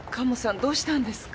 どうしたんですか？